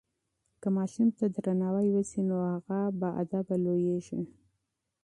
که ماشوم ته درناوی وسي نو هغه باادبه لویېږي.